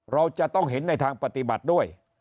เราจะต้องเห็นในทางปฏิบัติด้วย